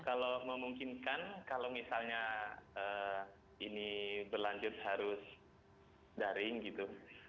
kalau memungkinkan kalau misalnya ini berlanjut harus daring gitu